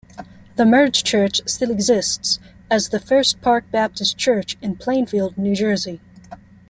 The merged church still exists as the First-Park Baptist Church in Plainfield, New Jersey.